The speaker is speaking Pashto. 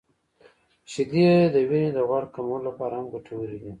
• شیدې د وینې د غوړ کمولو لپاره هم ګټورې دي.